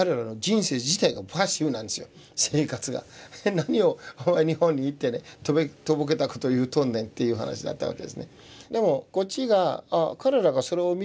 何をお前日本に行ってねとぼけたこと言うとんねんという話だったわけですね。